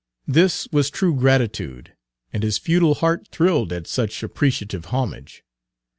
This was true gratitude, and his feudal heart thrilled at such appreciative homage.